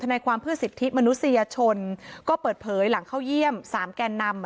ในความเพื่อสิทธิมนุษยชนก็เปิดเผยหลังเข้าเยี่ยมสามแกนนำ